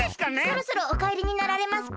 そろそろおかえりになられますか？